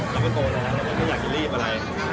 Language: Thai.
เราก็โกนแหละนะ